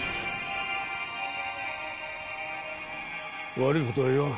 悪い事は言わん。